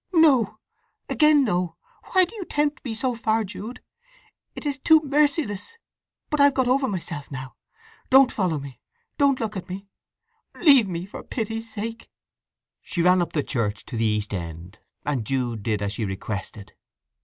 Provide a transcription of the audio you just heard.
"No; again no! … Why do you tempt me so far, Jude! It is too merciless! … But I've got over myself now. Don't follow me—don't look at me. Leave me, for pity's sake!" She ran up the church to the east end, and Jude did as she requested.